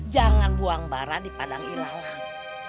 jangan buang bara di padang ilalang